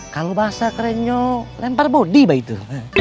kalo bahasa kerennya lempar bodi begitu